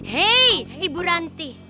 hei ibu ranti